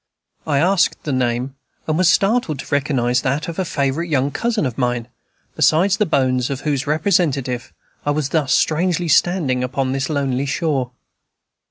I asked the name, and was startled to recognize that of a favorite young cousin of mine, besides the bones of whose representative I was thus strangely standing, upon this lonely shore.